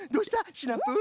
シナプー。